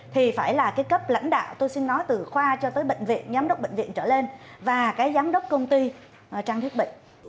thì phải là cái cấp lãnh đạo tôi xin nói từ khoa cho tới bệnh viện giám đốc bệnh viện trở lên và cái giám đốc công ty trang thiết bị